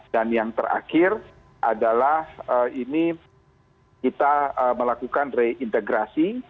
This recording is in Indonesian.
dan yang terakhir adalah ini kita melakukan reintegrasi